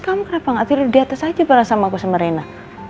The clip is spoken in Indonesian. kamu kenapa gak tidur di atas aja bareng sama aku semerena